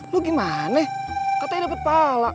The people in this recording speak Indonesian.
lu gimane katanya dapet pahala